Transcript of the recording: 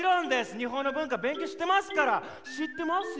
日本の文化勉強してますから知ってますよ。